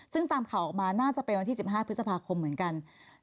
ซึ่งตามข่าวออกมาน่าจะเป็นวันที่๑๕พฤษภาคมเหมือนกัน